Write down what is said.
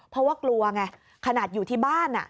เพราะว่ากลัวไงขนาดอยู่ที่บ้าน